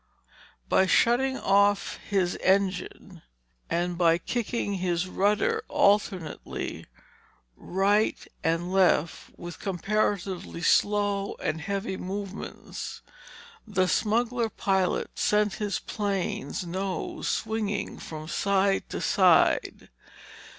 By shutting off his engine and by kicking his rudder alternately right and left with comparatively slow and heavy movements, the smuggler pilot sent his plane's nose swinging from side to side.